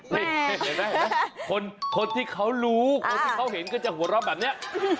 นี่เห็นไหมคนที่เขารู้คนที่เขาเห็นก็จะหัวเราะแบบนี้